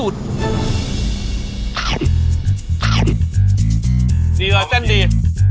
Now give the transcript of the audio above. ดีเลยเจ้นดี